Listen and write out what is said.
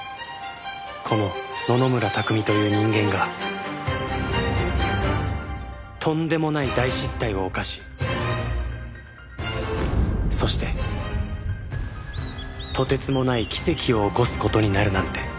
この野々村拓海という人間がとんでもない大失態を犯しそしてとてつもない奇跡を起こす事になるなんて